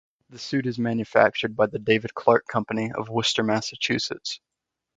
The suit is manufactured by the David Clark Company of Worcester, Massachusetts.